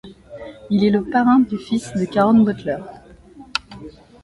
Il est le parrain du fils de Caron Butler.